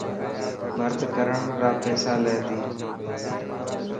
ڀرت ڪرڻ را پيسالي تي.